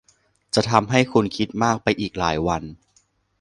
จะทำให้คุณคิดมากไปอีกหลายวัน